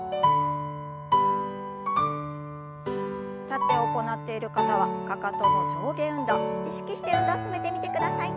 立って行っている方はかかとの上下運動意識して運動を進めてみてください。